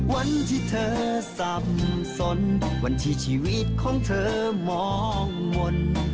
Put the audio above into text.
วันที่เธอสับสนวันที่ชีวิตของเธอมองมนต์